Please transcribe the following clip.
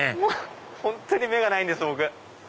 本当に目がないんです僕。